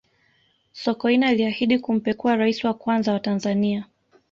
sokoine aliahidi kumpekua raisi wa kwanza wa tanzania